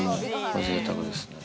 ぜいたくですね。